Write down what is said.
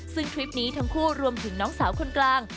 ซึ่งคลิปนี้ทั้งคู่รวมถึงน้องสาวคนกลาง